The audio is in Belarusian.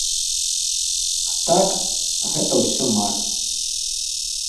А так, гэта ўсё марна.